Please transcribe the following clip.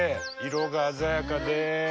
色が鮮やかで。